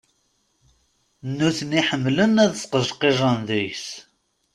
Nutni ḥemmlen ad sqejqijen deg-s.